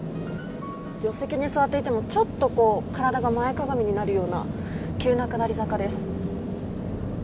助手席に座っていても、ちょっと体が前かがみになるような、急な下り坂です。